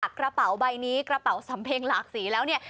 กระเป๋าใบนี้กระเป๋าสำเพ็งหลากสีแล้วเนี่ย